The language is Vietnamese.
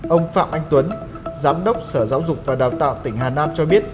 ông phạm anh tuấn giám đốc sở giáo dục và đào tạo tỉnh hà nam cho biết